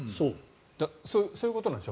そういうことなんでしょ？